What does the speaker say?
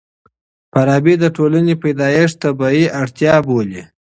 فارابي د ټولني پيدايښت طبيعي اړتيا بولي.